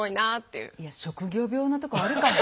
いや職業病なとこあるかも。